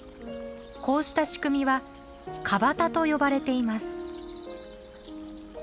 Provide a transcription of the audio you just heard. こうした仕組みは「かばた」と呼ばれています。